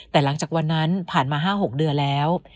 แต่หลังจากวันนั้นผ่านมา๕๖เดือนแล้ว